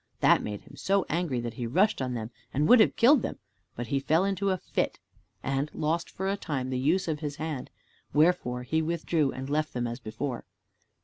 That made him so angry that he rushed on them and would have killed them, but he fell into a fit and lost for a time the use of his hand, wherefore he withdrew and left them as before.